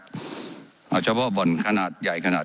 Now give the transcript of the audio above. เจ้าหน้าที่ของรัฐมันก็เป็นผู้ใต้มิชชาท่านนมตรี